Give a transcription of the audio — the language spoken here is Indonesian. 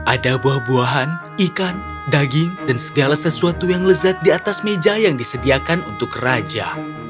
ada buah buahan ikan daging dan segala sesuatu yang lezat di atas meja yang disediakan untuk raja